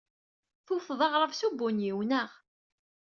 Tewteḍ aɣrab s ubunyiw, naɣ?